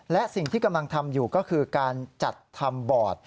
และสิ่งที่กำลังทำอยู่ก็คือการจัดทำบอร์ด